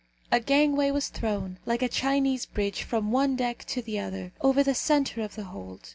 A gangway was thrown, like a Chinese bridge, from one deck to the other, over the centre of the hold.